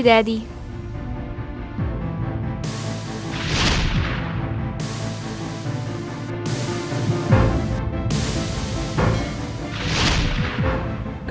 jadi gak fokus gue